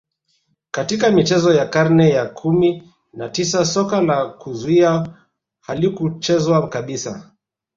Katika michezo ya karne ya kumi na tisa soka la kuzuia halikuchezwa kabisa